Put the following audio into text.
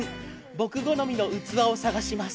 僕好みの器を探します。